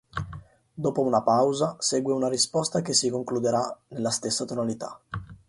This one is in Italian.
Dopo una pausa segue una risposta che si concluderà nella stessa tonalità.